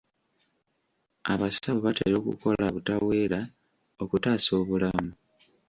Abasawo batera okukola butaweera okutaasa obulamu.